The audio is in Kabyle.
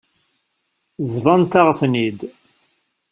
Bḍant-aɣ-ten-id.